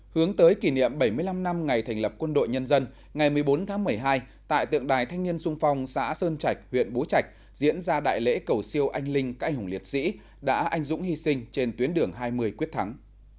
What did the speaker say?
hướng tới kỷ niệm bảy mươi năm năm ngày thành lập quân đội nhân dân ngày một mươi bốn tháng một mươi hai tại tượng đài thanh niên sung phong xã sơn trạch huyện bố trạch diễn ra đại lễ cầu siêu anh linh cãi hùng liệt sĩ đã anh dũng hy sinh trên tuyến đường hai mươi quyết thắng